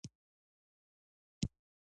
د مايک رابرټ په نوم امريکايي راغى.